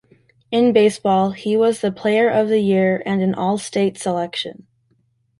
In baseball, he was the Player of the Year and an All-State selection.